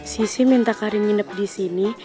sisi minta karim nginep disini